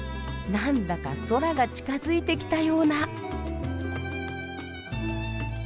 なんだか空が近づいてきたような。